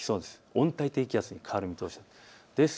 温帯低気圧に変わる見通しです。